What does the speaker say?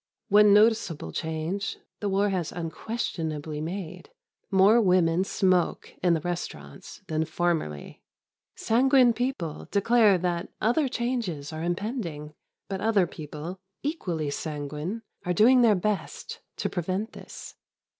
One noticeable change the war has unquestionably made: more women smoke in the restaurants than formerly. Sanguine people declare that other changes are impending; but other people, equally sanguine, are doing their best to prevent this.